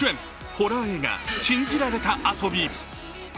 ホラー映画「禁じられた遊び」。